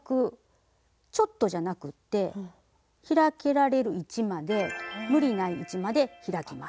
ちょっとじゃなくって開けられる位置まで無理ない位置まで開きます。